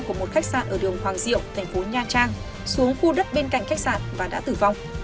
của một khách sạn ở đường hoàng diệu thành phố nha trang xuống khu đất bên cạnh khách sạn và đã tử vong